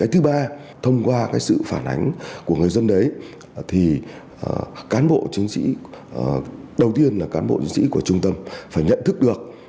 thứ ba thông qua sự phản ánh của người dân đấy thì cán bộ chiến sĩ đầu tiên là cán bộ diễn sĩ của trung tâm phải nhận thức được